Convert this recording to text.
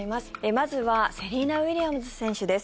まずはセリーナ・ウィリアムズ選手です。